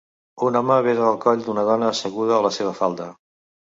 Un home besa el coll d'una dona asseguda a la seva falda.